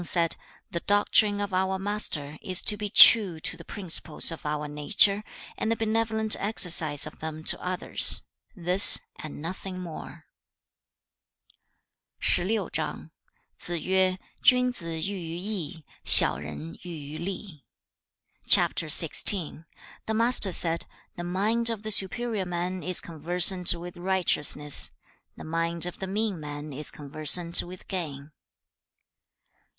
Tsang said, 'The doctrine of our master is to be true to the principles of our nature and the benevolent exercise of them to others, this and nothing more.' CHAP. XVI. The Master said, 'The mind of the superior man is conversant with righteousness; the mind of the mean man is conversant with gain.'